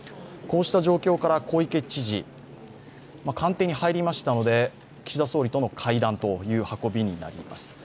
こうした状況から小池知事、官邸に入りましたので岸田総理との会談という運びになります。